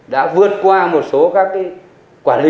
đã vượt qua một số các quản lý